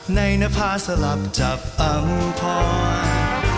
ในนภาพสลับจับอำพอด์